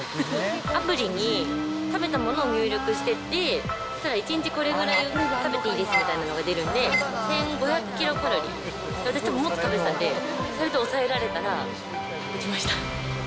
アプリに食べたものを入力していって、そしたら１日これぐらい食べていいですよみたいなのが出るんで、１５００キロカロリー、私もっと食べてたんで、それで抑えられたら、できました。